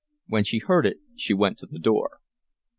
When she heard it she went to the door.